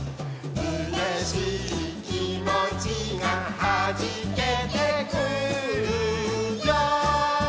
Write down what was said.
「うれしいきもちがはじけてくるよ」